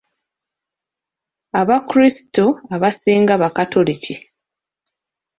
Abakrisito abasinga bakatoliki.